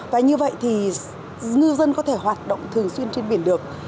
và như vậy thì ngư dân có thể hoạt động thường xuyên trên biển được